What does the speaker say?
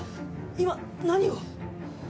今何を？